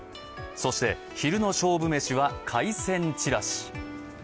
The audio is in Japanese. そして、昼の勝負めしは海鮮ちらし。